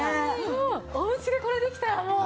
おうちでこれできたらもう。